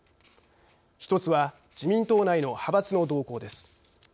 １つは自民党内の派閥の動向です。